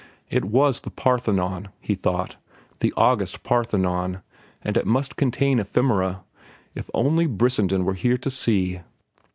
It is The Parthenon, he thought, the August Parthenon, and it must contain "Ephemera." If only Brissenden were here to see!